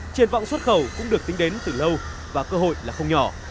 triển vọng xuất khẩu cũng được tính đến từ lâu và cơ hội là không nhỏ